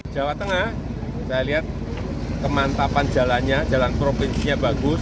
jawa tengah saya lihat kemantapan jalannya jalan provinsinya bagus